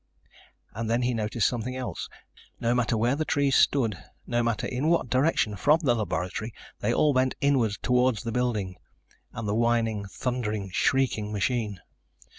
_ And then he noticed something else. No matter where the trees stood, no matter in what direction from the laboratory, they all bent inward toward the building ... and the whining, thundering, shrieking machine.